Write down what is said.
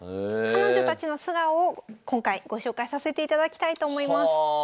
彼女たちの素顔を今回ご紹介させていただきたいと思います。